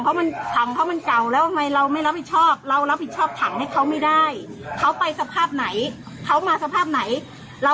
เราพยายามจะหาสภาพใกล้เคียงแต่สภาพเดียวกันมันหาไม่ได้อยู่แล้ว